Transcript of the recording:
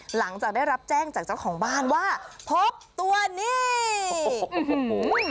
หลังจากได้รับแจ้งจากเจ้าของบ้านว่าพบตัวนี้อื้อหือ